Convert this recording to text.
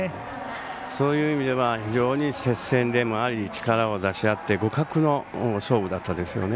そういう意味では非常に接戦でもあり力を出し切って互角の勝負だったですね。